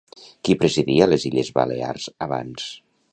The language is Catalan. Qui presidia les Illes Balears abans?